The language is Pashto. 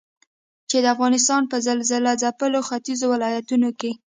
چې د افغانستان په زلزلهځپلو ختيځو ولايتونو کې